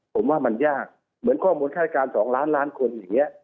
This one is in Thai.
ผมว่ามันยากเหมือนข้อมูลฆาตการ๒ล้านล้านคนอย่างนี้